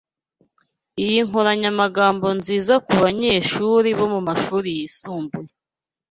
Iyi ni inkoranyamagambo nziza kubanyeshuri bo mumashuri yisumbuye.